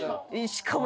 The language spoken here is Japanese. しかも。